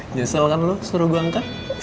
nyesel kan lo suruh gue angkat